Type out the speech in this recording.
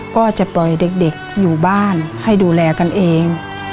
ก็จะปล่อยเด็กอยู่บ้านให้ดูแลกันเอง